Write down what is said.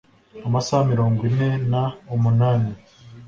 amasaha mirongo ine n umunani